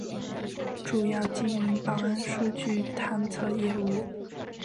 主要经营保安数据探测业务。